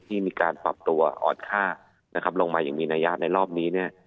ที่มีการปรับตัวออรถค่าลงมาอย่างมีนัยาธย์ในรอบนี้